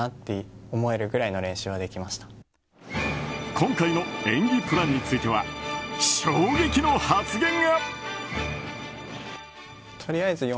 今回の演技プランについては衝撃の発言が。